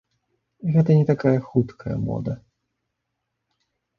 Гэта не такая хуткая мода.